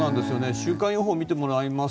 週間予報を見てもらいます。